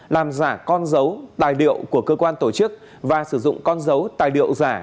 làm giả con dấu tài điệu của cơ quan tổ chức và sử dụng con dấu tài điệu giả